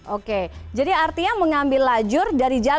oke jadi artinya mengambil lajur dari jalan tol